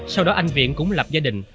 sau đó anh viện cũng lập gia đình